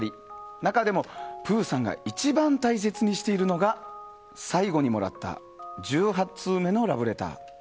中でも、ぷぅさんが一番大切にしているのが最後にもらった１８通目のラブレター。